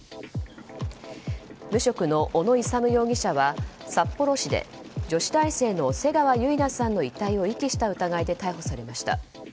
無職の小野勇容疑者は札幌市で女子大生の瀬川結菜さんの遺体を遺棄した疑いで逮捕されました。